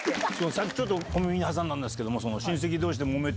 さっきちょっと小耳に挟んだんですけども。